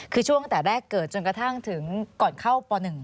คือช่วงตั้งแต่แรกเกิดจนกระทั่งถึงก่อนเข้าป๑